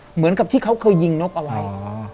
เหมือนกับที่เขาเคยยิงนกเอาไว้